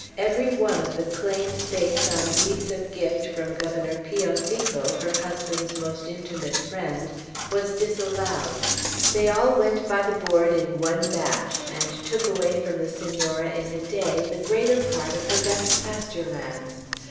Every one of the claims based on deeds of gift from Governor Pio Fico, her husband's most intimate friend, was disallowed. They all went by the board in one batch, and took away from the Senora in a day the greater part of her best pasture lands.